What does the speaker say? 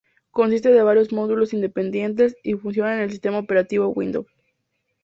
Consiste de varios módulos independientes y funcionan en el sistema operativo Windows.